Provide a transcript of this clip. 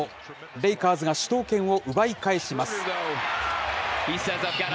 レイカーズが主導権を奪い返します。